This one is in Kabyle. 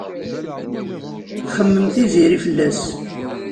Txemmem Tiziri fell-as.